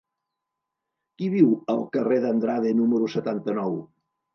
Qui viu al carrer d'Andrade número setanta-nou?